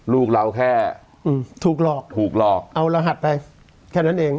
ลูกเราแค่ถูกหลอกเอาระหัสไปแค่นั้นเอง